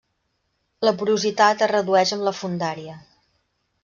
La porositat es redueix amb la fondària.